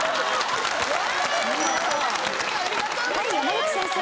はい山口先生。